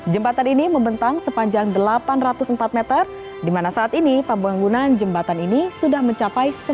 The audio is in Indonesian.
jembatan ini membentang sepanjang delapan ratus empat meter di mana saat ini pembangunan jembatan ini sudah mencapai sembilan puluh